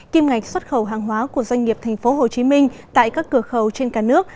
kim ngạch xuất khẩu hàng hóa của doanh nghiệp thành phố hồ chí minh tại các cửa khẩu trên cả nước